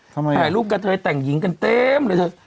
ถ่ายรูปกระเทยแต่งหญิงกันเต็มเลยเถอะ